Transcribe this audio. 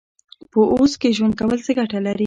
په اوس کې ژوند کول څه ګټه لري؟